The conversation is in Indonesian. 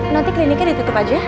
nanti kliniknya ditutup aja